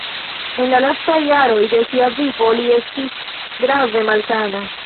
En la lastaj jaroj de sia vivo li estis grave malsana.